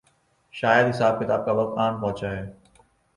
شاید حساب کتاب کا وقت آن پہنچا ہے۔